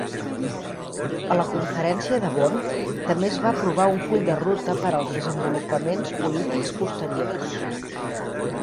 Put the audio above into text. A la Conferència de Bonn també es va aprovar un full de ruta per als desenvolupaments polítics posteriors.